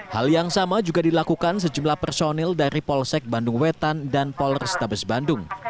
hal yang sama juga dilakukan sejumlah personil dari polsek bandung wetan dan polrestabes bandung